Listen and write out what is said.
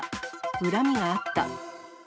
うらみがあった。